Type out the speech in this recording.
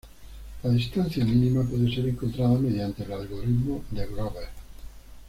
La distancia mínima puede ser encontrada mediante el Algoritmo de Grover.